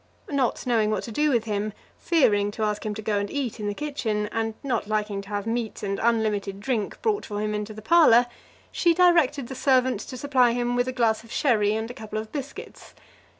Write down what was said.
Not knowing what to do with him, fearing to ask him to go and eat in the kitchen, and not liking to have meat and unlimited drink brought for him into the parlour, she directed the servant to supply him with a glass of sherry and a couple of biscuits.